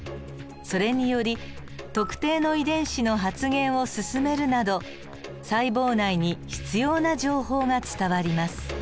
それにより特定の遺伝子の発現を進めるなど細胞内に必要な情報が伝わります。